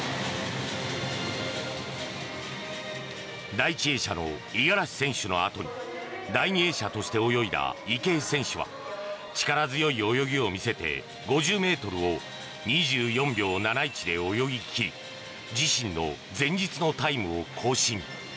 第１泳者の五十嵐選手のあとに第２泳者として泳いだ池江選手は力強い泳ぎを見せて５０ｍを２４秒７１で泳ぎ切り自身の前日のタイムを更新。